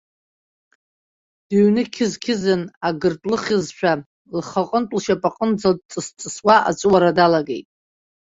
Дыҩнықьызқьызын, агыртә лыхьызшәа лхаҟынтәлшьапаҿынӡа дҵыс-ҵысуа аҵәуара далагеит.